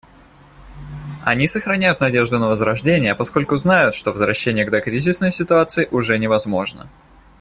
Они сохраняют надежду на возрождение, поскольку знают, что возвращение к докризисной ситуации уже невозможно.